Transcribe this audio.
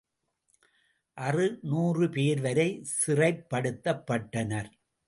அறுநூறு பேர் வரை சிறைப்படுத்தப்பட்டனர்.